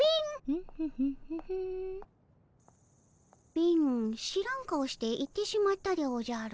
貧知らん顔して行ってしまったでおじゃる。